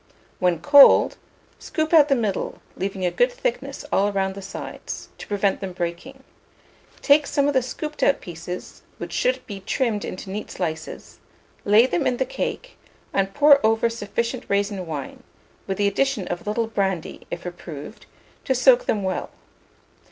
When cold, scoop out the middle, leaving a good thickness all round the sides, to prevent them breaking; take some of the scooped out pieces, which should be trimmed into neat slices; lay them in the cake, and pour over sufficient raisin wine, with the addition of a little brandy, if approved, to soak them well.